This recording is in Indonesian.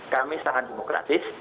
kami sangat demokratis